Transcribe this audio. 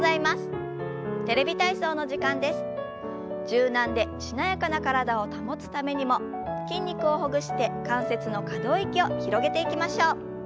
柔軟でしなやかな体を保つためにも筋肉をほぐして関節の可動域を広げていきましょう。